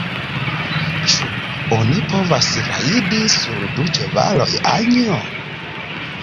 Ĉu oni povas rajdi sur du ĉevaloj, Anjo?